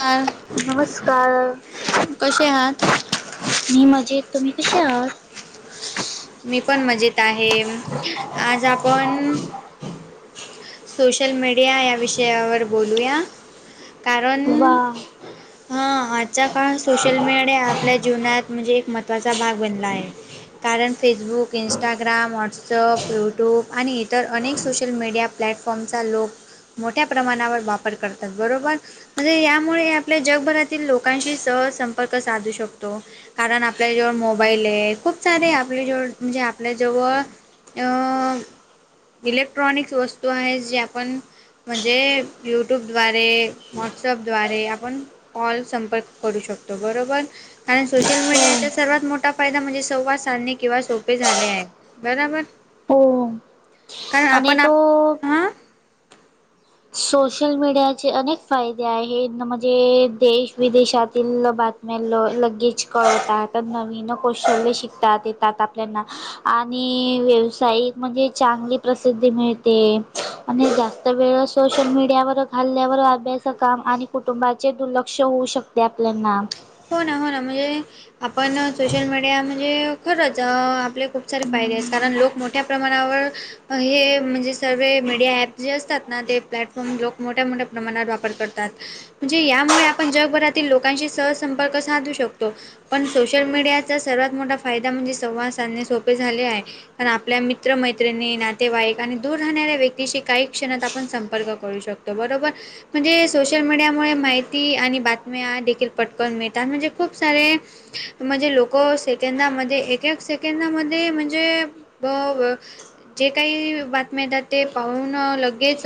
हा नमस्कार! कसे आहात? मी म्हजे तुम्ही कशी आहात. मी पण मजेत आहे आज आपण. सोशल मीडिया या विषयावर बोलूया कारण. वा हा आजच्या काळ सोशल मीडिया. आपल्या जीवनात म्हणजे एक महत्त्वाचा भाग बनला आहे. कारण फेसबुक इंस्टाग्राम व्हॉट्सअप यूट्यूब आणि इतर अनेक सोशल मीडिया. प्लॅटफॉर्मचा लोक मोठ्या प्रमाणावर वापर करतात बरोबर. म्हणजे यामुळे आपल्या जगभरातील लोकांशी सह संंपर्क साधू शकतो. कारण आपल्या जेवळ मोबाईल आहे खूप सारे आपल्या जेव म्हणजे आपल्या जवळ. अ इलेक्ट्रॉनिक्स वस्तू आहेत जे आपण. म्हणजे यूट्यूबद्वारे व्हॉट्सअपद्वारे आपण. कॉल संपर्क करू शकतो बरोबर. कारण सोशल हो मीडियाचा सर्वात मोठा फायदा म्हणजे संवाद साधने किंवा सोपे झाले आहेत. बराबर. हो आणि तो. हा सोशल मीडिया. अनेक फायदे आहेत म्हणजे देश विदेशातील बातम्याला लग. गेच कळतात नवीन कशचल्य शिकताात येतात आपल्याना आणि व्यावसायिक म्हणजे चांगली प्रसिद्धी मिळते आणि जास्त वेळ. सोशल मीडियावर घाल्ल्यावर अभ्यास काम आणि कुटुंबाचे दुर्लक्ष होऊ शकते आपल्याना. हो ना हो ना म्हणजे. आपण सोशल मीडिया म्हणजे खरंच आपले खूप सारे फायदे आहेत कारण लोक मोठे. मोठ्या प्रमाणावर हे म्हणजे. सर्व मीडिया ऍप जे असतात ना ते प्लॅटफॉर्म लोक मोठ्या मोठ्या प्रमाणात वापर करतात. म्हणजे यामुळे आपण जगभरातील लोकांशी सहसंपर्क साधू शकतो. पण सोशल मीडियाचा सर्वात मोठा फायदा म्हणजे संवाद साधने सोपे झाले आहे. कारण आपल्या मित्र मैत्रिणी नातेवाईक आणि दूर राहणाऱ्या व्यक्तीशी काही क्षणात आपण संपर्क करू शकतो. ते बरोबर म्हणजे सोशल मीडियामुळे माहिती आणि बातम्या देखील पटत. पण मिळतात म्हणजे खूप सारे. म्हणजे लोक सेकंदामध्ये एक एक सेकंदामध्ये म्हणजे. ब व जे काही बातम्या येतात ते पाहून लगेच.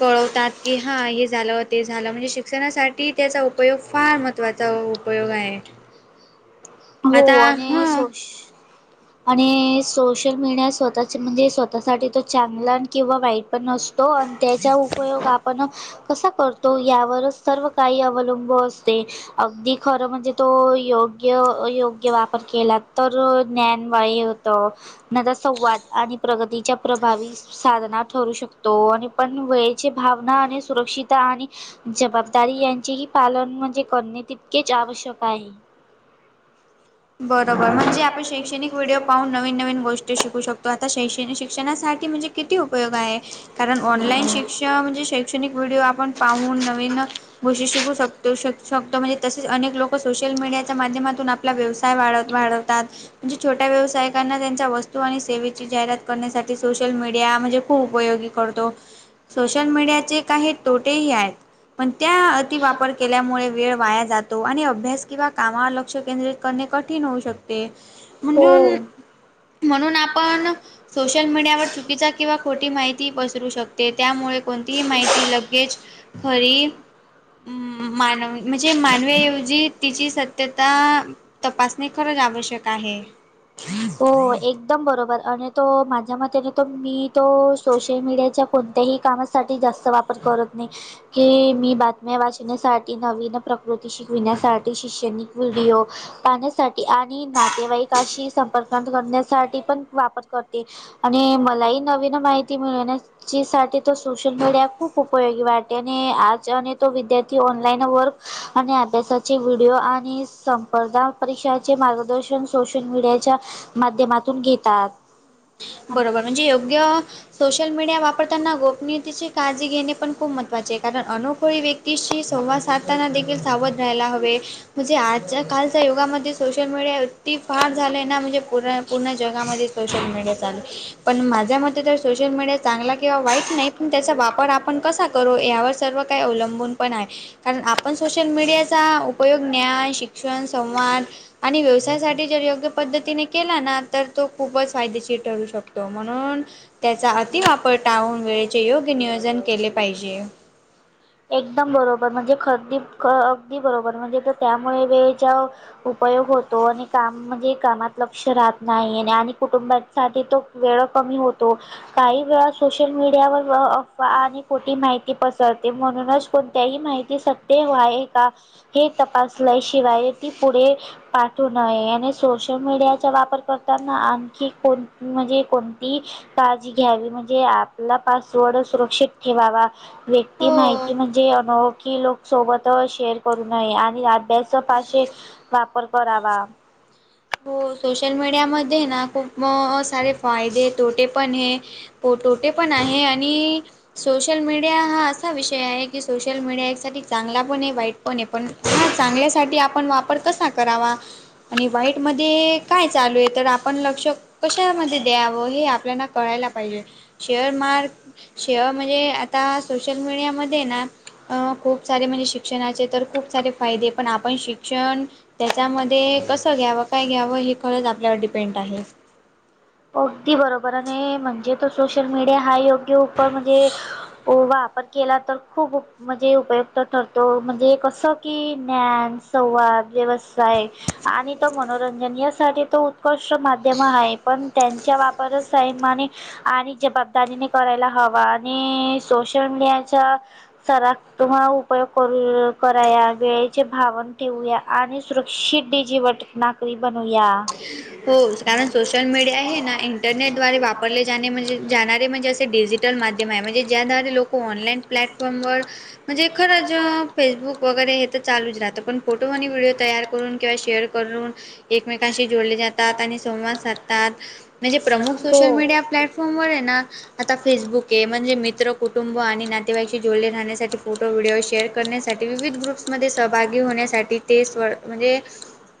पळवतात की हां हे झालं ते झालं म्हणजे शिक्षणासाठी त्याचा उपयोग फार मग. तत्त्वाचा उपयोग आहे. हो आता आणि ह सोष''--'' आणि सोशल मीडिया स्वतः म्हणजे स्वतःसाठी त चांगला किंवा वाईट. पण नसतो आणि त्याचा उपयोग आपण कसा करतो. तो यावरच सर्व काही अवलंबू असते. अगदी खरं म्हणजे तो योग्य योग. किंवा केला तर ज्ञान वायू होतं नाहीतर सव्वा आणि. प्रगतीच्या प्रभावीस. साधना ठरू शकतो आणि पण वेळेचे भावना आणि सुरक्षिता आणि. जबाबदारी यांचेही पालन म्हणजे करणे तितकेच आवश्यक आहे. बरोबर म्हणजे आपण शैक्षणिक व्हिडिओ पाहून नवीन नवीन गोष्टी. ते शिकू शकतो आता शैक्षणिक शिक्षणासाठी म्हणजे किती उपयोग आहे. कारण ऑनलाईन शिक्ष म्हणजे शैक्षणिक व्हिडिओ आपण पाहून नवीन. गोष्ट शिकू शकतो शक शकतो म्हणजे तसेच अनेक लोक सोशल मीडियाच्या माध्यमातून आपला व्यव''--'' वाढ ढवतात म्हणे छोट्या व्यावसायांना त्यांच्यात. तो आणि सेवेची जाहिरात करण्यासाठी सोशल मीडिया म्हणजे खूप उपयोगी करतो. सोशल मीडियाचे काही तोटेही आहेत. पण त्या अति वापर केल्यामुळे वेळ वाया जातो आणि अभ्यास किंवा कामावर लक्ष केंद्रित. करणे कठीण होऊ शकते म्हणज हो म्हणून आपण. सोशल मीडियावर चुकीचा किंवा खोटी माहिती पसरू शकते त्यामुळे कोणतीही माहिती लगेज. होय. मानव म्हणजे मानवीऐवजी तिची सत्यता. तपासणी खरंच आवश्यक आहे. हो एकदम बरोबर आणि तो माझ्या मतेने तो मी तो सोशल मीडियाच्या. कोणत्याही कामासाठी जास्त वापर करत नाही की मी बातम्या वाचण्यासाठी नवीन. प्रकृती शिकविण्यासाठी शिषणिक व्हिडिओ पाहण्यासाठी. आणि नातेवाईकशी संपर्क करण्यासाठी पण वापर करते. आणि मलाही नवीन माहिती मिळवण्यास. ची साठी तो सोशल मीडिया खूप उपयोगी वाटते आणि आज आणि तो विद्यार्थी ऑनलाईन वर्क. आणि अभ्यासाचे व्हिडिओ आणि संपर्ध परीक्षाचे मार्गदर्शन सोशल मीडियाच्या. माध्यमातून घेतात. बरोबर म्हणजे योग्य सोशल मीडिया वापरताना गोपनीयतेची काळजी घेणे पण खूप मजा. जे कारण अनुखळी व्यक्तीशी संवाद साधताना देखील सावध राहायला हवे. म्हणजे आजच्या कालच्या युगामध्ये सोशल मीडिया अती फार झालं आहे ना म्हणजे पुरा. पूर्ण जगामध्ये सोशल मीडिया चालू आहे. पण माझ्या मते तर सोशल मीडिया चांगला किंवा वाईट नाही पण त्याचा वापर आपण कसा. करू यावर सर्व काय अवलंबून पण आहे. कारण आपण सोशल मीडियाचा उपयोग ज्ञान शिक्षण संवाद. आणि व्यवसायासाठी जर योग्य पद्धतीने केला ना तर तो खूपच फायदेशीर. ठरू शकतो म्हणून. त्याचा अतिवापर टाळून वेळेचे योग्य नियोजन केले पाहिजे एकदम बरोबर म्हणजे खरदी अगदी बरोबर म्हणजे त्यामुळे वेळेच्या उपयोग होतो आणि काम म्हणजे कामात लक्ष राहत नाही आणि कुटुंबात [unintelligible] तो वेळ कमी होतो काही वेळा सोशल मीडियावर अफवा आणि खिती माहिती पसर ते म्हणूनच कोणत्याही माहिती सत्य आहे का? हे तपासल्याशिवाय ती पुढे पा वू नये आणि सोशल मीडियाचा वापर करताना आणखी कोण म्हणजे कोणतीही काळजी घ्यावी म्हणजे आपला पासवर्ड सुरक्षित ठेवावा व ती हो. माहिती म्हणजे अनोळ खी लोक सोबत शेअर करू नये आणि अभ्यास फारशे वापर करावा हो सोशल मीडियामध्ये ना खूप सारे फायदे तोटे पण हे पोटो ते पण आहे आणि सोशल मीडिया हा असा विषय आहे की सोश ल मीडियासाठी चांगला पण आहे वाईट प पण हा चांगल्यासाठी आपण वापर कसा करावा आणि वाईट काय चालू आहे तर आपण लक्ष कशामध्ये द्यावं हे आपल्याना कळायला पाहिजे शेअर मार शेअर म्हणजे आता सोशल मीडियामध्ये ना अं खूप सारे म्हणजे शिक्षणाचे तर खूप सारे फायदे पण आपण शिक्षण त्याच्यामध्ये कसं घ्यावं काय घ्यावं हे खरंच आपल्यावर डिपेंड आहे अगदी बरोबर आणि म्हणजे तो सोशल मीडिया हा योग्य उपाय म्हणजे वापर केला तर खूप म्हणजे उपयुक्त ठरतो म्हणजे कसं की ज्ञान, संवाद, व्यवसाय आणि तो मनोरंजन यासाठी तर उत्कृष्ट माध्यम आहे पण त्यांच्या वापरच साईमाने आणि जबाबदारीने करायला हवा आणि सोशल मीयाच्या [unintelligible] उपयोग करू करा गे चे भावन ठेवूया आणि सुरक्षित डी जीवट नाकरी बनूया हो कारण सोशल मीडिया हे ना इंटरनेटद्वारे वापरले जाणे म्हणजे जाणारे म्हणजे असे डिजिटल माध्यम आहे म्हणजे ज्याद्वारे लोक ऑनलाईन प्लॅटफॉर्मवर म्हणजे खरंच फेसबुक वगैरे हे तर चालूच राहतं पण फोटो आणि व्हिडिओ तयार करून किंवा शेअर करून एकमेकांशी जोडले जातात आणि संवाद साध त्यात म्हणजे प्रमुख हो. सोशल मीडिया प्लॅटफॉर्मवर हे ना आता फेसबुक हे म्हणजे मित्र, कुटुंब आणि नातेवाईकशी जोडले राहण्यासाठी फोटो व्हिडिओ शेअर करण्यासाठी विविध गृप्समध्ये सहभागी होण्यासाठी ते स् म्हणजे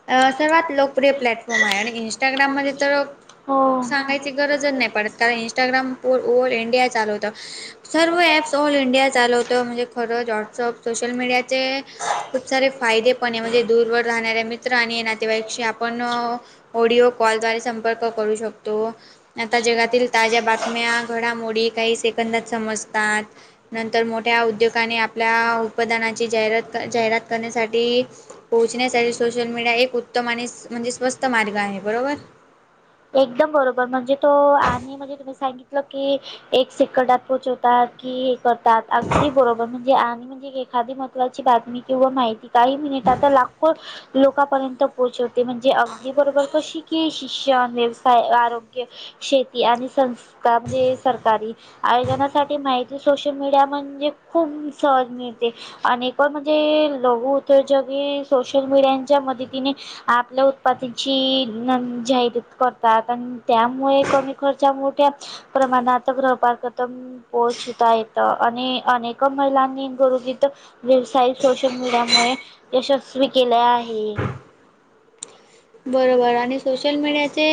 असं वाटलं [unintelligible] प्लॅटफॉर्म आहे आणि इंस्टाग्राम मध्ये तर, हो. सांगायची गरजच नाही पडंत. कारण इन्स्टाग्राम पो ऑल इंडिया चालवतं. सर्व ॲप्स ऑल इंडिया चालवतं म्हणजे खरंच व्हॉट्सअप सोशल मीडियाचे. खूप सारे फायदे पण आहे म्हणजे दूरवर राहणाऱ्या मित्र आणि नातेवाईकशी आपण ऑडिओ कॉलद्वारे संपर्क करू शकतो, आता जगातील ताज्या बातम्या, घडामोडी काही से कंदात समजतात, नंतर मोठ्या उद्योगाने आप आपल्या उत्पादानाची जाहिरात, जाहिरात करण्यासाठी पोहोचण्यासाठी सोशल मीडिया एक उत्तम आणि म्हणजे स्वस्त मार्ग नाही बरोबर. एकदम बरोबर म्हणजे तो, आणि म्हणजे तुम्ही सांगितलं की एक सेकंदात पोहोचू. कि हे करतात अगदी बरोबर म्हणजे आणि म्हणजे एखादी म- महवा बातमी किंवा माहिती काही मिनिटात लाखो लोकांपर्यंत- पोचवते म्हणजे अगदी बरोबर कशी? की शिक्षण, व्यवसाय, आरोग्य- शेती आणि संस्था म्हणजे सरकारी आयोजना- साठी माहिती सोशल मीडिया म्हणजे, खूप सहज मिळते. आणि पण म्हणजे, लघुउद्योजकही सोशल मीडियाच्या मदतीने- आपल्या उत्पतीची नं, जाहीर करतात. आण- त्यामुळे कमी खर्चा, मोठ्या प्रमाणात ग्रहपार करतात. पोहचविता येतं आणि अनेक महिलांनी गरुगीथ- व्यवसाय सोशल मीडिया मुळे यशस्वी केला आहे. बरोबर, आणि सोशल मीडियाचे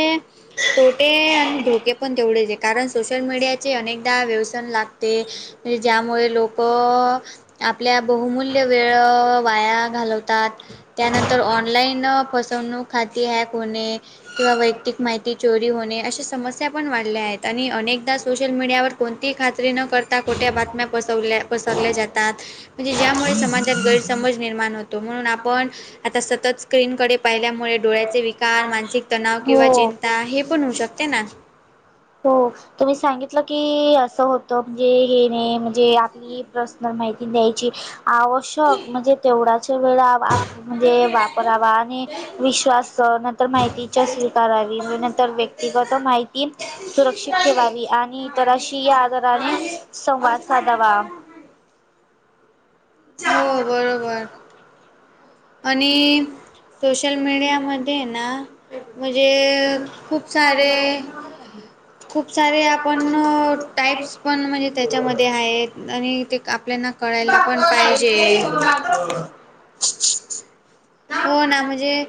तोटे आणि धोके पण तेवढेच आहे. कारण सोशल मीडियाचे अनेकदा व्यसन लागते. म्हणजे ज्यामुळे लोकं- आपला बहुमूल्य वेळ वाया घालवतात. त्यानंतर ऑनलाईन फसवणूक खाती हॅक होणे- किंवा वैयक्तिक माहिती चोरी होणे अशा समस्या- पण वाढल्या आहेत. आणि अनेकदा सोशल मीडियावर कोणतीही खात्री न कर- ता. खोट्या बातम्या पसवल्या पसरल्या जातात. म्हणजे ज्यामुळे समाज- उगच गैरसमज निर्माण होतो म्हणून आपण, आता सतत स्क्रीनकडे पाहिल्यामुळे डोळ्यांचे वि कार, मानसिक तणाव किंवा हो चिंता हे पण होऊ शकते ना? हो. तुम्ही सांगितलं की असं होतं. म्हणजे हे नाही म्हणजे आप- ही पर्सनल माहिती द्यायची- आवश्यक म्हणजे तेवढ्याच वेळा, म्हणजे वापरावा आणि विश्वास- तर माहितीच्या स्वीकारावी नंतर व्यक्तिगत माहिती- सुरक्षित ठेवावी. आणि इतराशी आदारने संवाद साधावा. जा हो [unintelligible] आणि-सोशल मीडिया मध्ये ना? म्हणजे खूप सारे- खूप सारे आपण, टाइप्स पण म्हणजे त्याच्यामध्ये आहेत. आणि ते आपल्याना- कळायला पण पाहिजे. हो ना म्हणजे,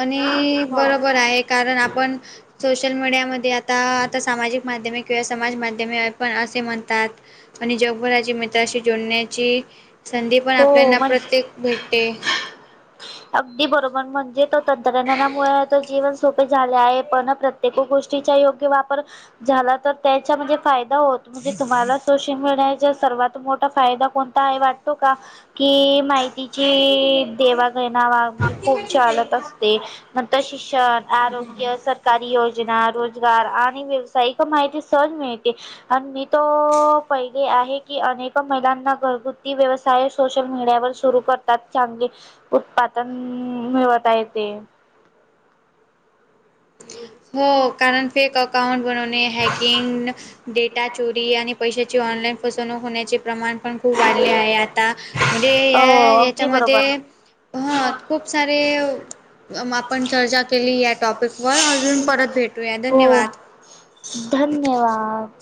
आणि बरोबर आहे. कारण आपण सोशल मीडियामध्ये आता- आता सामाजिक माध्यमे किंवा समाज माध्यमे पण असे म्हणतात. आणि जगभराची मित्राशी जोडण्याची, संधी पण हो आपल्याना म्हणजे प्रत्येक भेटते. अगदी बरोबर. म्हणजे तो, तंत्रज्ञानामुळ तर जीवन- सोपे झाले आहे पण, प्रत्येक गोष्टीचा योग्य वापर- झाला तर त्याचा म्हणजे फायदा होत. म्हणजे तुम्हाला सोशल मीडियाचा सर्वात मोठा फायदा- कोणता आहे वाटतो का,? की माहितीची देवा- [unintelligible] [unintelligible] खूप चालत असते. नंतर शिक्षण, आरोग्य सार सरकारी योजना, रोजगार आणि व्यावसायिक माहिती सहज मिळते. आणि मी तर पाहिले आहे की अनेक महिलांना घरगुत- ती व्यवसाय सोशल मीडियावर सुरू करतात चांगली- उत्पादन मिळवत आहे ते. हो कारण फेक अकाउंट बनवणे. हॅकिंग, डेटा चोरी आणि पैसे- ची ऑनलाईन फसवणूक होण्याचे प्रमाण पण- खूप वाढले आहे आता म्हणजे हो या अगदी बरोबर याच्यामध्ये- ह, खूप सारे आपण चर्चा केली या टॉपिक- हो, धन्यवाद.